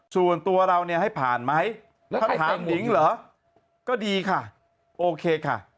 ส่วนตัวเราเนี่ยให้ผ่านไหมถ้าถามนิงเหรอก็ดีค่ะโอเคค่ะ